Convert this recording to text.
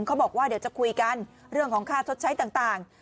เขาบอกว่าเดี๋ยวจะคุยกันเรื่องของค่าชดใช้ต่าง